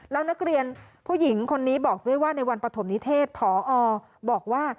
แล้วนักเรียนผู้หญิงคนนี้บอกด้วยว่าในวันปฐมนิเทศผอบอกว่า